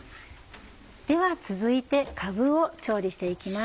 では続いてかぶを調理して行きます。